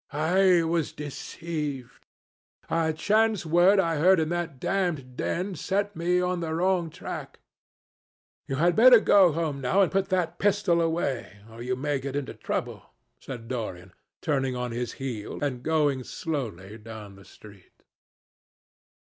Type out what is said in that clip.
"I was deceived. A chance word I heard in that damned den set me on the wrong track." "You had better go home and put that pistol away, or you may get into trouble," said Dorian, turning on his heel and going slowly down the street.